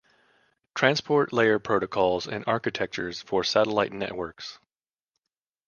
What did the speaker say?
Transport layer protocols and architectures for satellite networks.